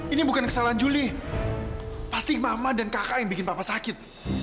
ini bukan kesalahan juli pasti mama dan kakak yang bikin papa sakit